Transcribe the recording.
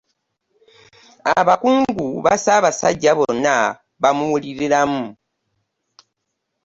abakungu ba ssaabasajja bonna bamuwuliriramu.